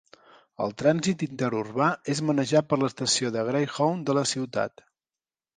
El trànsit interurbà és manejat per l'estació de Greyhound de la ciutat.